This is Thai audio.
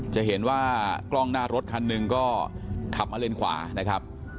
จะเห็นว่ากล้องหน้ารถคันหนึ่งก็ขับมาเลนขวานะครับ